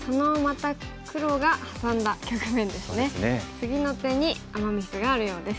次の手にアマ・ミスがあるようです。